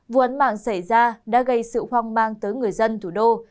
vụ án mạng xảy ra đã gây sự hoang mang tới người dân thủ đô